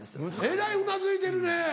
えらいうなずいてるね。